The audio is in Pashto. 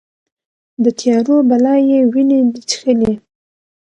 د تیارو بلا یې وینې دي چیښلې